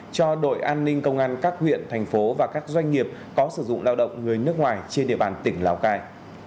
cho đội an ninh công an các huyện thành phố và các doanh nghiệp có sử dụng lao động người nước ngoài trên địa bàn tỉnh lào cai